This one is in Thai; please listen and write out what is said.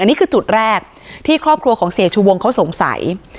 นี่คือจุดแรกที่ครอบครัวของเสียชูวงเขาสงสัย